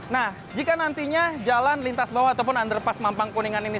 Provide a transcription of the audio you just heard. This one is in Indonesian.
nah jika nantinya jalan lintas bawah ataupun underpas mampang kuningan ini